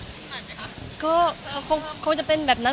มีปิดฟงปิดไฟแล้วถือเค้กขึ้นมา